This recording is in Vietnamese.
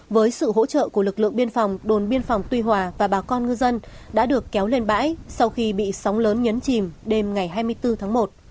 với sự hỗ trợ của lực lượng biên phòng đồn biên phòng tuy hòa và bà con ngư dân đã được kéo lên bãi sau khi bị sóng lớn nhấn chìm đêm ngày hai mươi bốn tháng một